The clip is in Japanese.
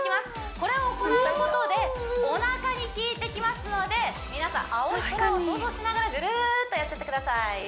これを行うことでおなかにきいてきますので皆さん青い空を想像しながらぐるっとやっちゃってください